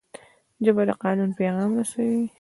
ژبه د قانون پیغام رسوي